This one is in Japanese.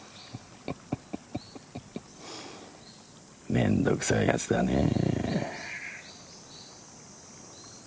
めんどくさいやつだねえ。